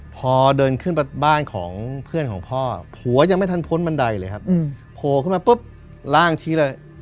พอเดินขึ้นไปบ้านของเพื่อนของพ่อผัวยังไม่ทันพ้นบันไดเลยครับโผล่ขึ้นมาปุ๊บร่างชี้เลย